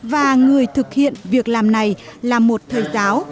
và người thực hiện việc làm này là một thầy giáo